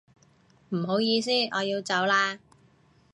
唔好意思，我要走啦